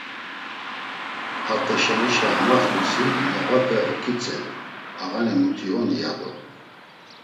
Art̆aşenişa amaxt̆usi noğape oǩitzedu ağani muti oni ya do.